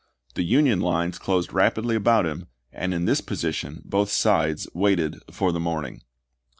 The Union lines closed rapidly about him, and in this position both sides waited for the morning.